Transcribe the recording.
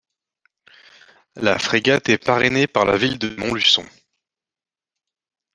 La frégate est parrainée par la ville de Montluçon.